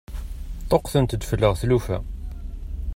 Ṭṭuqqtent-d fell-aɣ tlufa.